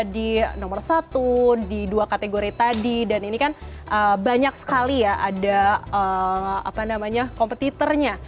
di nomor satu di dua kategori tadi dan ini kan banyak sekali ya ada kompetitornya